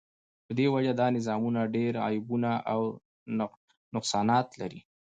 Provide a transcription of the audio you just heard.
په دی وجه دا نظامونه ډیر عیبونه او نقصانات لری